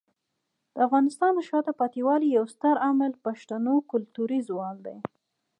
د افغانستان د شاته پاتې والي یو ستر عامل پښتنو کلتوري زوال دی.